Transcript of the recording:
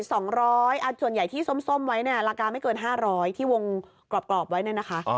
ส่วนใหญ่ที่ส้มไว้ราคาไม่เกิน๕๐๐บาทที่วงกรอบไว้เนี่ยนะคะ